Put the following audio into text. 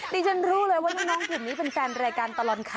นี่ฉันรู้เลยว่าน้องน้องแบบนี้เป็นแฟนรายการตลอดค่ะ